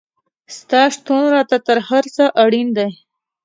ستا شتون راته تر هر څه اړین دی